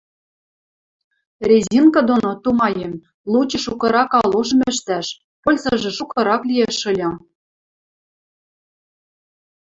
Резинка доно, тумаем, лучи шукырак калошым ӹштӓш, пользыжы шукырак лиэш ыльы.